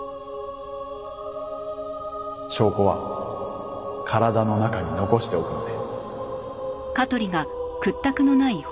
証拠は体の中に残しておくので。